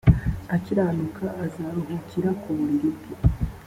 akiranuka azaruhukira ku buriri bwe